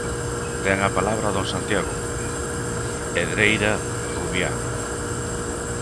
Ten a palabra don Santiago Hedreira Rubiá.